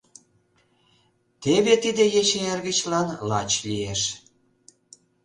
Теве тиде ече эргычлан лач лиеш.